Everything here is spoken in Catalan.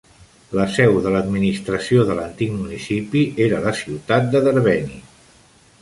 La seu de l'administració de l'antic municipi era la ciutat de Derveni.